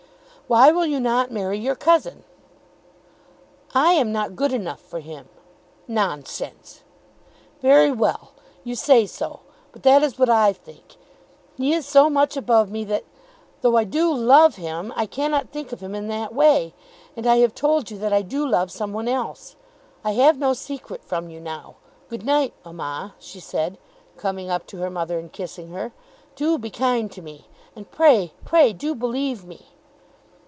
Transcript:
"Why will you not marry your cousin?" "I am not good enough for him." "Nonsense!" "Very well; you say so. But that is what I think. He is so much above me, that, though I do love him, I cannot think of him in that way. And I have told you that I do love some one else. I have no secret from you now. Good night, mamma," she said, coming up to her mother and kissing her. "Do be kind to me; and pray, pray, do believe me."